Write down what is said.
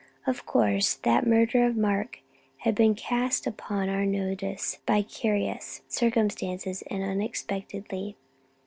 Of course, that murder of Mark had been cast upon our notice by curious circumstances, and unexpectedly.